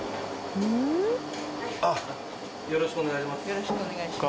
よろしくお願いします。